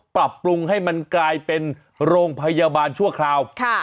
ปรับปรุงให้มันกลายเป็นโรงพยาบาลชั่วคราว